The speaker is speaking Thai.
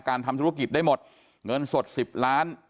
ทำธุรกิจได้หมดเงินสด๑๐ล้าน